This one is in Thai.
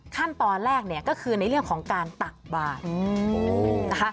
ขั้นตอนแรกก็คือในเรื่องของการตักบาท